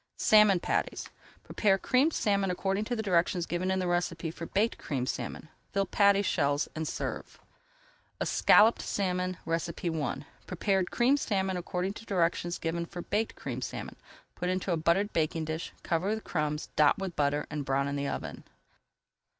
SALMON PATTIES Prepare Creamed Salmon according to directions given in the recipe for Baked Creamed Salmon. Fill patty shells and serve. ESCALLOPED SALMON I Prepare Creamed Salmon according to directions given for Baked Creamed Salmon. Put into a buttered baking dish, cover with crumbs, dot with butter, and brown in the oven.